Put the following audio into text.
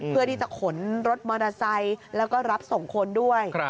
เพื่อที่จะขนรถมอเตอร์ไซค์แล้วก็รับส่งคนด้วย